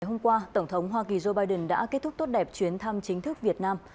hôm qua tổng thống hoa kỳ joe biden đã kết thúc tốt đẹp chuyến thăm chính thức việt nam